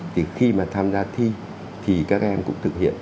thì khi mà tham gia thi thì các em cũng thực hiện